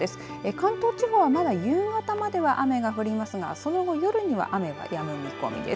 関東地方はまだ夕方までは雨が降りますがその後、夜には雨はやむ見込みです。